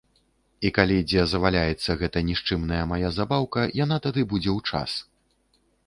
І калі дзе заваляецца гэта нішчымная мая забаўка, яна тады будзе ў час.